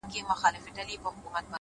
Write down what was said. پټ کي څرگند دی ـ